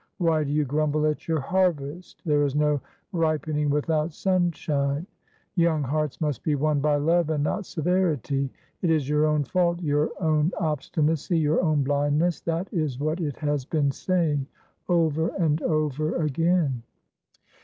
'Why do you grumble at your harvest there is no ripening without sunshine? Young hearts must be won by love and not severity; it is your own fault, your own obstinacy, your own blindness' that is what it has been saying over and over again."